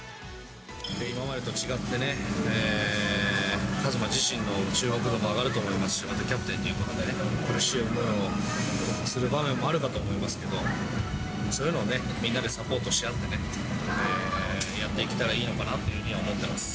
今までと違ってね、和真自身の注目度も上がると思いますし、またキャプテンになってね、苦しい思いをする場面もあるかと思いますけど、そういうのをみんなでサポートし合ってね、やっていけたらいいのかなというふうに思っています。